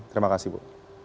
terima kasih bu